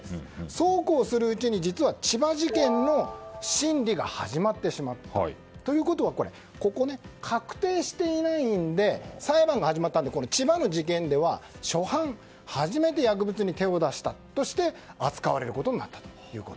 そうこうしているうちに実は千葉事件の審理が始まったと。ということは確定していないので裁判が始まったので千葉の事件では初犯初めて薬物に手を出したとして扱われることになったということ。